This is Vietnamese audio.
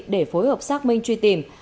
để phối hợp xác minh truy tìm